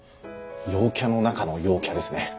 陽キャの中の陽キャですね。